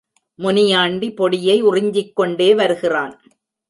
முனியாண்டி பொடியை உறிஞ்சிக்கொண்டே வருகிறான்.